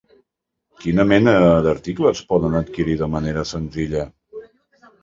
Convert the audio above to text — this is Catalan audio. Quina mena d'articles poden adquirir de manera senzilla?